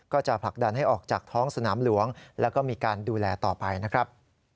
จะผลักดันให้ออกจากท้องสนามหลวงแล้วก็มีการดูแลต่อไปนะครับ